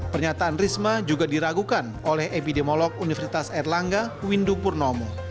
pernyataan risma juga diragukan oleh epidemiolog universitas erlangga windu purnomo